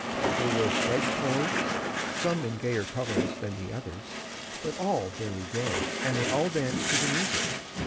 They wore striped clothes, some in gayer colours than the others, but all very gay; and they all danced to the music.